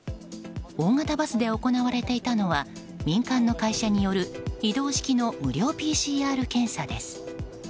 大型バスで行われていたのは民間の会社による移動式の無料ＰＣＲ検査です。